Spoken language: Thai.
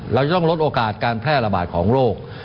เราจะต้องลดโอกาสการแพร่ระบาดของโรค